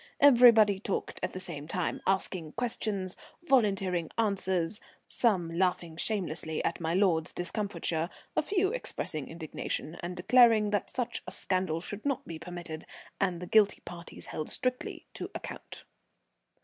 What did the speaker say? Everybody talked at the same time, asking questions, volunteering answers, some laughing shamelessly at my lord's discomfiture, a few expressing indignation, and declaring that such a scandal should not be permitted, and the guilty parties held strictly to account.